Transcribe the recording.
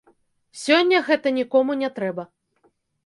Сёння гэта нікому не трэба.